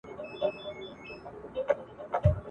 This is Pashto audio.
په الست کي یې وېشلي د ازل ساقي جامونه ..